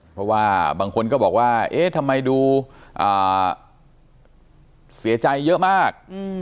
เพราะว่าบางคนก็บอกว่าเอ๊ะทำไมดูเสียใจเยอะมาก